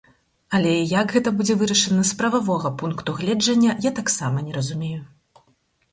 Але як гэта будзе вырашана з прававога пункту гледжання, я таксама не разумею.